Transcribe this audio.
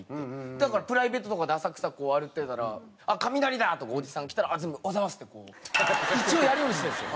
だからプライベートとかで浅草こう歩いてたら「あっカミナリだ！」とかおじさんが来たら全部「おはようございます！」って一応やるようにしてるんですよ。